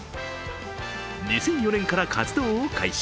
２００４年から活動を開始。